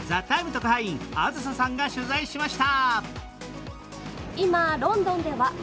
特派員、あずささんが取材しました。